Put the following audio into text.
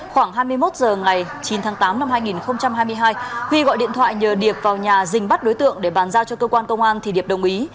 khoảng hai mươi một giờ ngày chín tháng tám năm hai nghìn hai mươi hai huy gọi điện thoại nhờ điệp vào nhà dình bắt đối tượng để bàn giao cho cơ quan công an thì điệp đồng ý